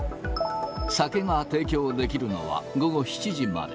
酒が提供できるのは午後７時まで。